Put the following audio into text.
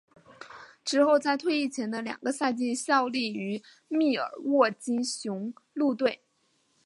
之后在退役前的两个赛季效力于密尔沃基雄鹿队。